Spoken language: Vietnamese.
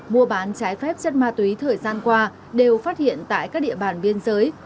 mua bán trái phép chất ma túy thời gian qua đều phát hiện tại các địa bàn biên giới